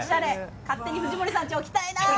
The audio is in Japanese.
勝手に藤森さんちに置きたいな。